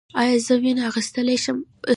ایا زه وینه اخیستلی شم؟